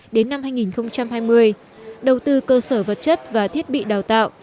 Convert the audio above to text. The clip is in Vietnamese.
đến năm hai nghìn hai mươi đầu tư cơ sở vật chất và thiết bị đào tạo